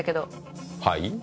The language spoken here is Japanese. はい？